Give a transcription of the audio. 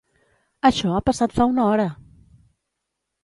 Això ha passat fa una hora!